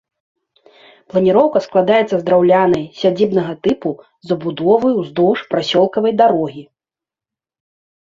Планіроўка складаецца з драўлянай, сядзібнага тыпу, забудовы ўздоўж прасёлкавай дарогі.